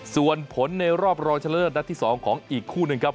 ส่วนผลในรอบรองชะเลิศนัดที่๒ของอีกคู่หนึ่งครับ